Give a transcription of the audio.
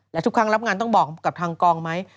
และทุกครั้งรับงานต้องบอกกับทางกองไหม